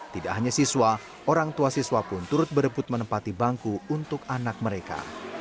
tidak hanya siswa orang tua siswa pun turut berebut menempati bangku untuk anak mereka